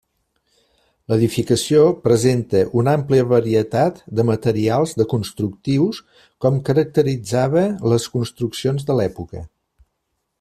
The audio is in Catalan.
L'edificació presenta una àmplia varietat de materials de constructius com caracteritzava les construccions de l'època.